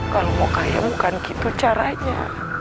kalau mau kaya bukan gitu caranya